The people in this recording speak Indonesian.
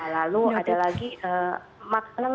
lalu ada lagi makanan makanan inspirasi